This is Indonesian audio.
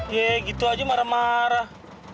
ya gitu aja marah marah